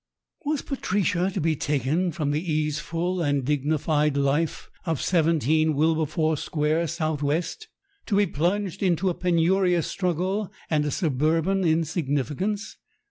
Was Patricia to be taken from the easeful and dignified life of 17 Wilberforce Square, S.W., to be plunged into a penurious struggle and a suburban insignificance?